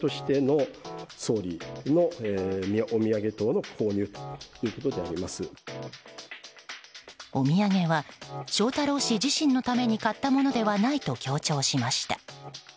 お土産は翔太郎氏自身のために買ったものではないと強調しました。